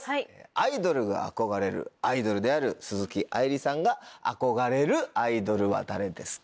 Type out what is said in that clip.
アイドルが憧れるアイドルである鈴木愛理さんが憧れるアイドルは誰ですか？